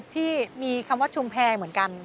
ที่มีคำว่าชุมแพรเหมือนกัน